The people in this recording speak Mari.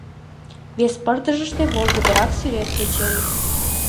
Вес пырдыжыште волгыдырак сӱрет кечен.